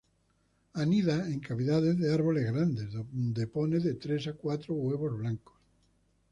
Anida en cavidades de árboles grandes, donde pone de tres a cuatro huevos blancos.